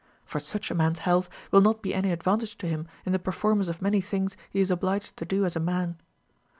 For such a man's health will not be any ad vantage to him in the performance of many things he is obliged to do as a man.